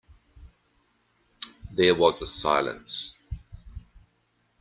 There was a silence.